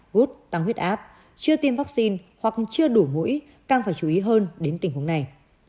gút tăng huyết áp chưa tiêm vaccine hoặc chưa đủ mũi càng phải chú ý hơn đến tình huống này